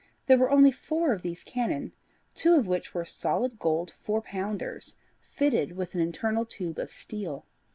There are only four of these cannon, two of which are solid gold four pounders, fitted with an internal tube of steel.